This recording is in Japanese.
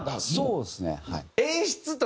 そうですね。